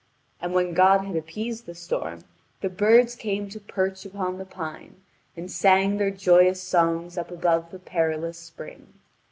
And when God had appeased the storm, the birds came to perch upon the pine, and sang their joyous songs up above the perilous spring.